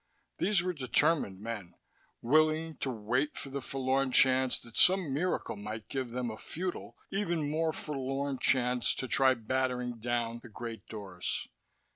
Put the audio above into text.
These were determined men, willing to wait for the forlorn chance that some miracle might give them a futile, even more forlorn chance to try battering down the great doors.